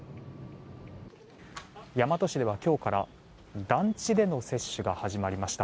大和市では今日から団地での接種が始まりました。